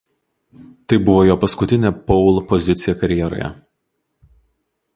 Tai buvo jo paskutinė pole pozicija karjeroje.